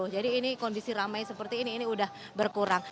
jadi ini kondisi rame seperti ini ini udah berkurang